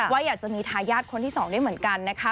ว่าอยากจะมีทายาทคนที่๒ด้วยเหมือนกันนะคะ